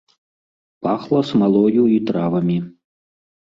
Пахла смалою і травамі.